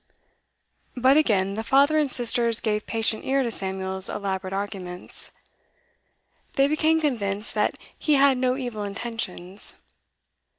But again the father and sisters gave patient ear to Samuel's elaborate arguments. They became convinced that he had no evil intentions.